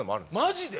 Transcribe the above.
マジで！？